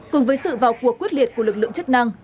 cùng với sự vào cuộc quyết liệt của lực lượng chức năng